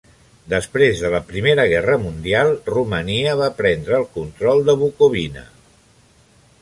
Després de la Primera Guerra Mundial, Romania va prendre el control de Bukovina.